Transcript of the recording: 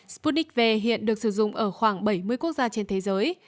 sputnik v hiện được sử dụng ở khoảng bảy mươi quốc gia trên thế giới